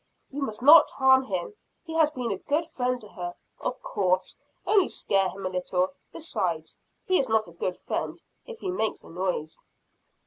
"You must not harm him he has been a good friend to her." "Of course only scare him a little. Besides, he is not a good friend, if he makes a noise."